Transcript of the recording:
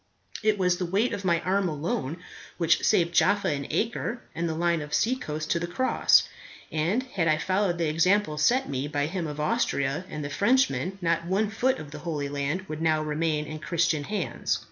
It was the weight of my arm alone which saved Jaffa and Acre, and the line of seacoast, to the Cross. And had I followed the example set me by him of Austria and the Frenchman, not one foot of the Holy Land would now remain in Christian hands."